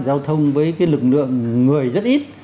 giao thông với lực lượng người rất ít